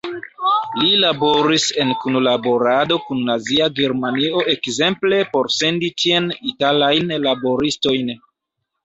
Li laboris en kunlaborado kun Nazia Germanio ekzemple por sendi tien italajn laboristojn.